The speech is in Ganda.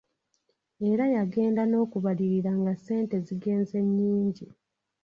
Era yagenda n'okubalirira nga ssente zigenze nnyingi.